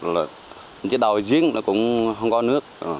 những cái đào ở giếng cũng không có nước